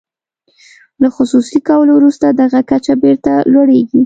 له خصوصي کولو وروسته دغه کچه بیرته لوړیږي.